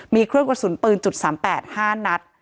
มีเครื่องกระสุนปืน๓๘๕นัด